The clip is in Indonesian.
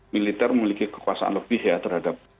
militer memiliki kekuasaan lebih ya terhadap